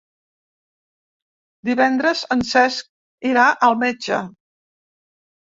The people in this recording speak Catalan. Divendres en Cesc irà al metge.